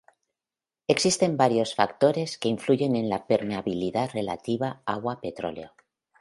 Existen varios factores que influyen en la permeabilidad relativa agua petróleo.